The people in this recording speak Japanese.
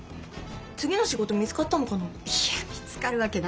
次の仕事見つかったのかな？